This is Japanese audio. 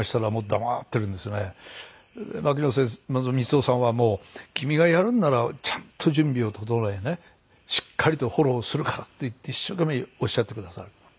マキノ先生光雄さんはもう「君がやるんならちゃんと準備を整えねしっかりとフォローするから」って言って一生懸命おっしゃってくださる。